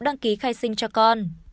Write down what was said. đăng ký khai sinh cho con